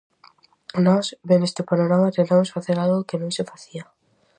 Nós, vendo este panorama tentamos facer algo que non se facía.